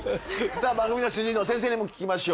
さあ番組の主治医の先生にも聞きましょう。